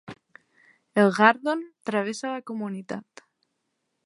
El Gardon travessa la comunitat.